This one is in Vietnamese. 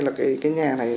là cái nhà này